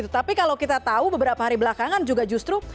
tapi kalau kita tahu beberapa hari belakangan juga justru